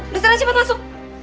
udah sana cepet masuk